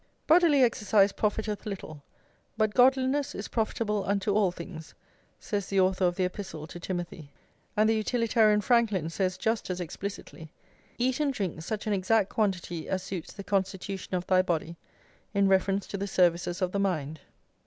"Bodily exercise profiteth little; but godliness is profitable unto all things," says the author of the Epistle to Timothy. And the utilitarian Franklin says just as explicitly: "Eat and drink such an exact quantity as suits the constitution of thy body, in reference to the services of the mind."